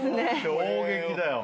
衝撃だよ。